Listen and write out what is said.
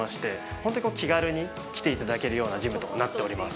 ほんとに気軽に来ていただけるようなジムとなっております。